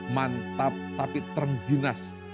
mantap tapi terginas